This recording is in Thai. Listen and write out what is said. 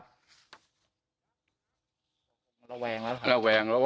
ระแวงแล้วครับ